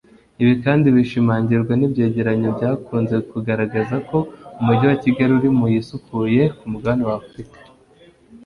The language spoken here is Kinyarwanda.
Ibi kandi bishimangirwa n’ibyegeranyo byakunze kugaragaza ko Umujyi wa Kigali uri mu isukuye ku mugabane wa Afurika